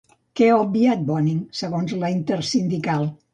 Què ha obviat Bonig, segons la Intersindical?